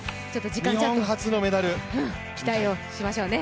日本初のメダル、期待しましょうね。